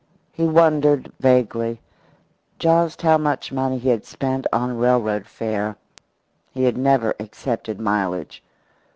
He wondered, vaguely, just how much money he had spent on railroad fare he had never accepted mileage.